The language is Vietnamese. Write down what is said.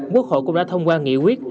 quốc hội cũng đã thông qua nghị quyết